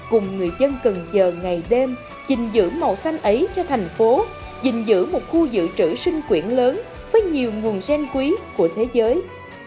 cùng người dân cần chờ ngày đêm dình dữ màu xanh ấy cho thành phố dình dữ một khu dự trữ sinh quyển lớn với nhiều nguồn gen quý của thế giới